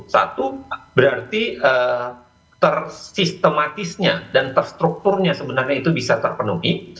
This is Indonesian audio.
satu berarti tersistematisnya dan terstrukturnya sebenarnya itu bisa terpenuhi